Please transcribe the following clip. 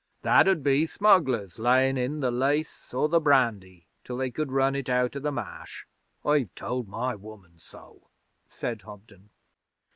'That 'ud be smugglers layin' in the lace or the brandy till they could run it out o' the Marsh. I've told my woman so,' said Hobden.